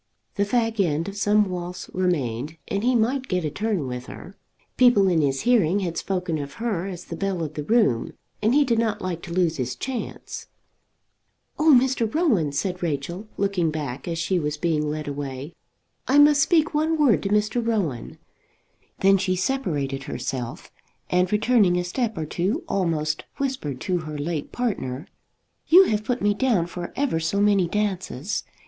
The fag end of some waltz remained, and he might get a turn with her. People in his hearing had spoken of her as the belle of the room, and he did not like to lose his chance. "Oh, Mr. Rowan," said Rachel, looking back as she was being led away. "I must speak one word to Mr. Rowan." Then she separated herself, and returning a step or two almost whispered to her late partner "You have put me down for ever so many dances.